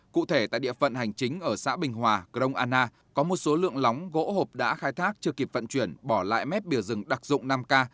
cụ thể tại địa phận hành chính ở xã bình hòa grongana có một số lượng lóng gỗ hộp đã khai thác chưa kịp phận chuyển bỏ lại mét biểu rừng đặc dụng nam ca